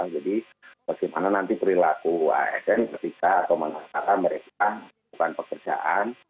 jadi bagaimana nanti perilaku asn ketika atau mengatakan mereka bukan pekerjaan